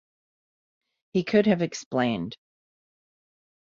He could have explained.